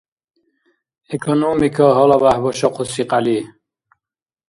Экономика гьалабяхӏ башахъуси кьяли